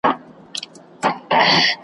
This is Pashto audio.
محتسب ښارته وتلی حق پر شونډو دی ګنډلی .